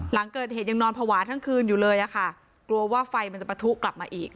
หลังเกิดเหตุยังนอนภาวะทั้งคืนอยู่เลยอะค่ะกลัวว่าไฟมันจะประทุกลับมาอีก